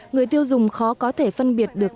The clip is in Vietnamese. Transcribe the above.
người tiêu dùng khó có thể phân biệt được